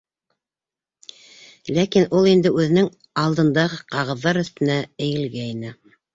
Ләкин ул инде үҙенең алдындағы ҡағыҙҙар өҫтөнә эйелгәйне.